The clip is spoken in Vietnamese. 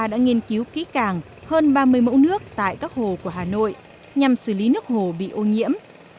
các chuyên gia đã nghiên cứu kỹ càng hơn ba mươi mẫu nước tại các hồ của hà nội nhằm xử lý nước hồ bị ô nhiễm